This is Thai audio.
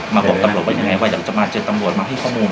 บอกตำรวจว่ายังไงว่าอยากจะมาเจอตำรวจมาให้ข้อมูล